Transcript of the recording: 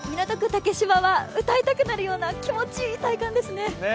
竹芝は歌いたくなるような気持ちいい体感ですね。